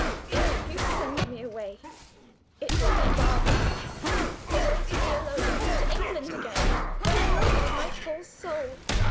If you send me away it will be barbarous; away to be alone, to England again, when I love you with my whole soul.